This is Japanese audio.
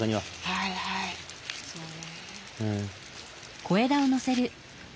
はいはいそうね。